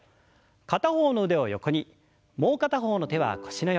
片方の腕を横にもう片方の手は腰の横に。